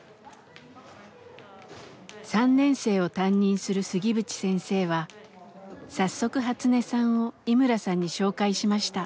３年生を担任する杉渕先生は早速ハツネさんを井村さんに紹介しました。